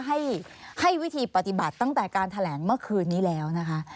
ให้ให้วิธีปฏิบัติตั้งแต่การแถลงเมื่อคืนนี้แล้วนะคะ